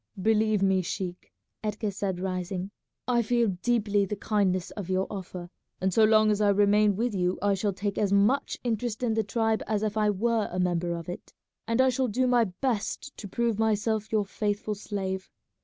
"Believe me, sheik," Edgar said, rising, "I feel deeply the kindness of your offer, and so long as I remain with you I shall take as much interest in the tribe as if I were a member of it, and I shall do my best to prove myself your faithful slave.